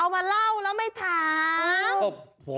มาเล่าแล้วไม่ถาม